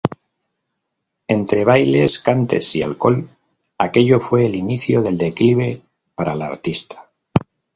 Entre bailes, cantes y alcohol, aquello fue el inicio del declive para la artista.